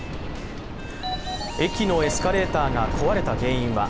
駅のエスカレーターが壊れた原因は？